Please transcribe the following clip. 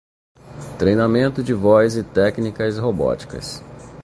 Treinamento de voz e técnicas robóticas